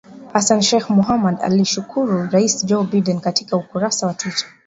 Hassan Sheikh Mohamud alimshukuru Rais Joe Biden katika ukurasa wa Twita